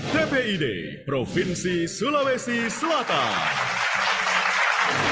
tpid provinsi sulawesi selatan